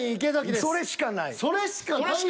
それしかない。